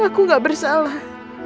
aku nggak bersalah